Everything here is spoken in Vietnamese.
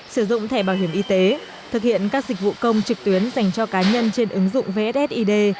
sử dụng thẻ bảo hiểm y tế thực hiện các dịch vụ công trực tuyến dành cho cá nhân trên ứng dụng vssid